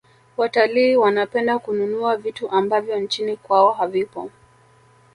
watalii wanapenda kununua vitu ambavyo nchini kwao havipo